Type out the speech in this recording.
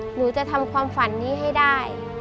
หนูจะทำความฝันนี้ให้ได้